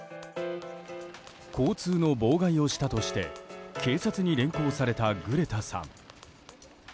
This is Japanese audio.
交通の妨害をしたとして警察に連行されたグレタさん。